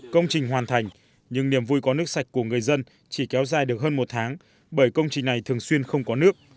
công trình hoàn thành nhưng niềm vui có nước sạch của người dân chỉ kéo dài được hơn một tháng bởi công trình này thường xuyên không có nước